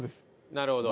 なるほど。